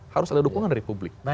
harus ada dukungan dari publik